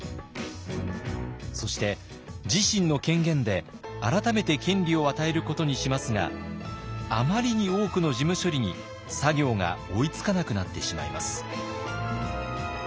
そして自身の権限で改めて権利を与えることにしますがあまりに多くの事務処理に作業が追いつかなくなってしまいます。